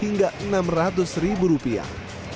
hingga enam ratus ribu rupiah